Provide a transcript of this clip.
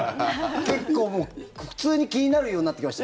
結構、普通に気になるようになってきました。